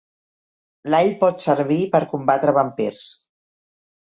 L'all pot servir per combatre vampirs.